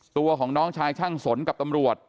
ตัวของน้องชายช่างสนกับตำรวจ